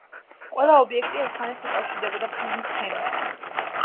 ყველა ობიექტი ერთმანეთს უკავშირდებოდა ფრენის თემით.